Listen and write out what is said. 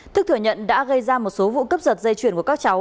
thức thừa nhận đã gây ra một số vụ cướp giật dây truyền của các cháu